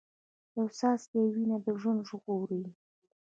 یو څاڅکی وینه ژوند ژغوري